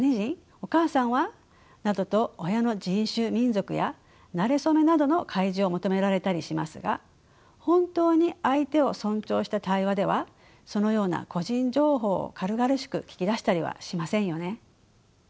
お母さんは？などと親の人種民族やなれ初めなどの開示を求められたりしますが本当に相手を尊重した対話ではそのような個人情報を軽々しく聞き出したりはしませんよね。